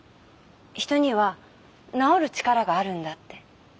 人には治る力があるんだって。